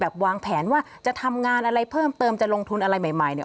วางแผนว่าจะทำงานอะไรเพิ่มเติมจะลงทุนอะไรใหม่ใหม่เนี่ย